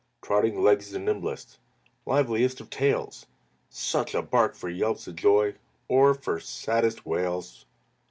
Trotting legs the nimblest, Liveliest of tails, Such a bark for yelps of joy, Or for saddest wails!